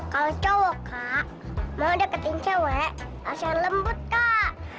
kalo cowok kak mau deketin cewek harus yang lembut kak